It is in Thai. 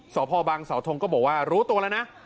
สพบังเสาทงก็บอกว่ารู้ตัวแล้วนะ